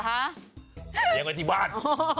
เลี้ยงไว้ที่บ้าน